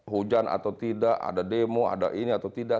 hujan atau tidak ada demo ada ini atau tidak